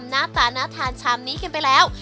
หน้าตาน่าทานชามนี้กันไปแล้ว